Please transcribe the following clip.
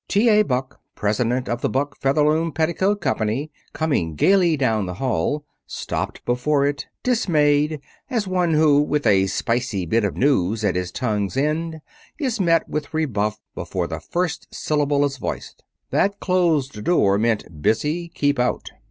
T. A. Buck, president of the Buck Featherloom Petticoat Company, coming gaily down the hall, stopped before it, dismayed, as one who, with a spicy bit of news at his tongue's end, is met with rebuff before the first syllable is voiced. That closed door meant: "Busy. Keep out."